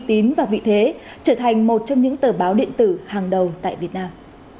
tín và vị thế trở thành một trong những tờ báo điện tử hàng đầu tại việt nam